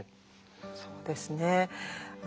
そうですね。